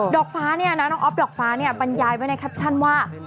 อกฟ้าเนี่ยนะน้องอ๊อฟดอกฟ้าเนี่ยบรรยายไว้ในแคปชั่นว่า